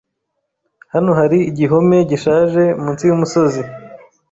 Hano hari igihome gishaje munsi yumusozi.